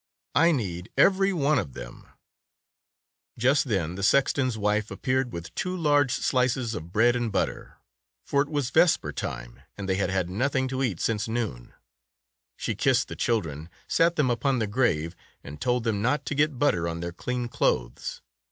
I need every one of them/' Just then the sexton's wife appeared with two large slices of bread and butter, for it was vesper time and they had had nothing to eat since noon. She kissed the children, sat them upon the grave, and told them not to get butter on their clean clothes.